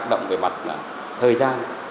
để tác động về mặt thời gian